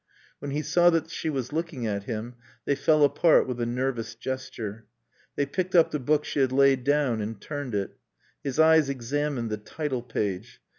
When he saw that she was looking at him they fell apart with a nervous gesture. They picked up the book she had laid down and turned it. His eyes examined the title page.